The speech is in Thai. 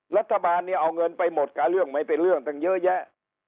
รัฐบาลเนี่ยเอาเงินไปหมดกับเรื่องไม่เป็นเรื่องตั้งเยอะแยะ